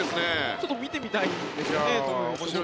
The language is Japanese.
ちょっと見てみたいですよね。